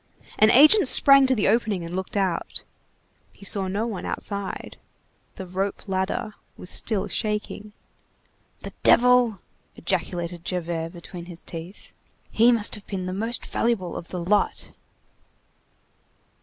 An agent sprang to the opening and looked out. He saw no one outside. The rope ladder was still shaking. "The devil!" ejaculated Javert between his teeth, "he must have been the most valuable of the lot."